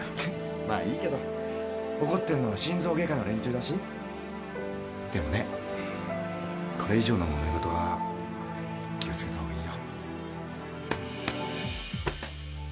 まあいいけど怒ってるのは心臓外科の連中だしでもねこれ以上のもめごとは気をつけた方がいいよ